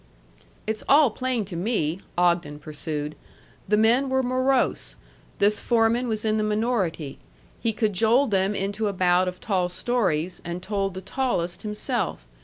"It's all plain to me," Ogden pursued. "The men were morose. This foreman was in the minority. He cajoled them into a bout of tall stories, and told the tallest himself.